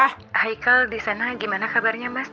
hicle di sana gimana kabarnya mas